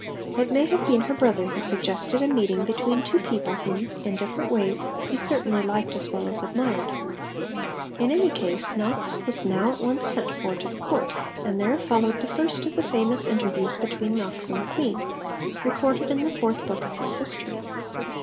It may have been her brother who suggested a meeting between two people whom, in different ways, he certainly liked as well as admired. In any case, Knox was now at once sent for to the Court, and there followed the first of the famous interviews between Knox and the Queen, recorded in the Fourth Book of his History.